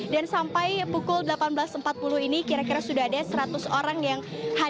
dan sampai pukul delapan belas empat puluh ini kira kira sudah selesai